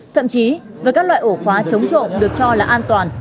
thậm chí với các loại ổ khóa chống trộm được cho là an toàn